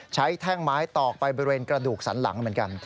แท่งไม้ตอกไปบริเวณกระดูกสันหลังเหมือนกัน